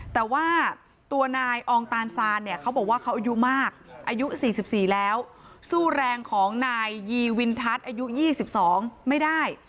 แต่ว่าตัวนายอองตานซานเนี่ยเขาบอกว่าเขาอายุมากอายุ๔๔แล้วสู้แรงของนายยีวินทัศน์อายุ๒๒ไม่ได้